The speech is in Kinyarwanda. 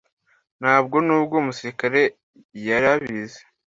Ntabwo nubwo umusirikare yari abizi